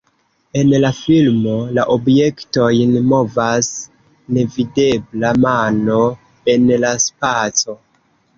En la filmo, la objektojn movas nevidebla mano en la spaco.